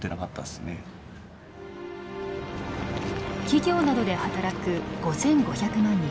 企業などで働く５，５００万人。